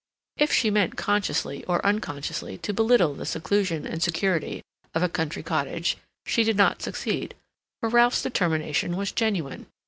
If she meant consciously or unconsciously to belittle the seclusion and security of a country cottage, she did not succeed; for Ralph's determination was genuine.